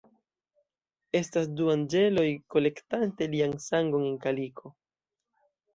Estas du anĝeloj kolektante lian sangon en kaliko.